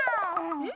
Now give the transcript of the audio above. うん？